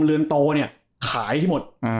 เรือนโตเนี่ยขายให้หมด